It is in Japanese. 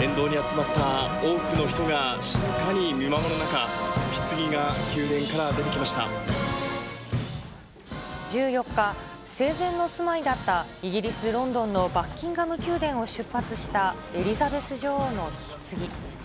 沿道に集まった多くの人が静かに見守る中、１４日、生前の住まいだった、イギリス・ロンドンのバッキンガム宮殿を出発したエリザベス女王のひつぎ。